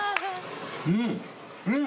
うん！